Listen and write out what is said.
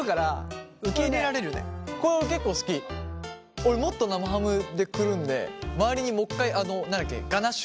俺もっと生ハムでくるんで周りにもう一回何だっけ？